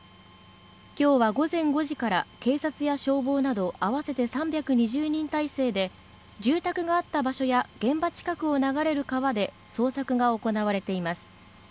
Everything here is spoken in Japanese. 今日は午前５時から警察や消防など合わせて３２０人態勢で住宅があった場所や現場近くを流れる川で捜索が行われています。